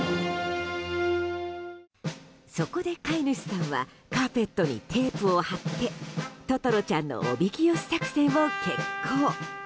そこで、飼い主さんはカーペットにテープを貼ってととろちゃんのおびき寄せ作戦を決行。